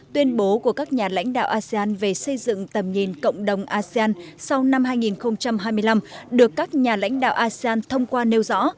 tuyên bố của các nhà lãnh đạo asean về xây dựng tầm nhìn cộng đồng asean sau năm hai nghìn hai mươi năm được các nhà lãnh đạo asean thông qua nêu rõ